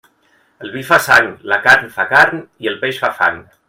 El vi fa sang, la carn fa carn i el peix fa fang.